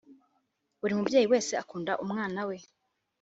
Buri mubyeyi wese akunda umwana we